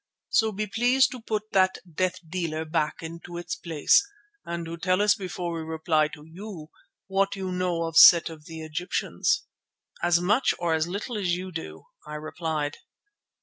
So be pleased to put that death dealer back into its place, and to tell us before we reply to you, what you know of Set of the Egyptians." "As much or as little as you do," I replied.